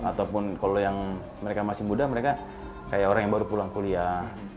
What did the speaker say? ataupun kalau yang mereka masih muda mereka kayak orang yang baru pulang kuliah